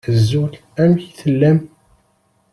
Azul! Amek i tellam?